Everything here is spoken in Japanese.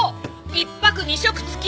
１泊２食付き。